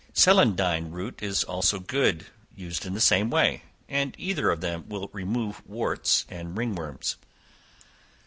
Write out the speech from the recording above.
Celandine root is also good, used in the same way, and either of them will remove warts and ringworms.